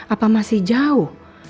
apa masih jauh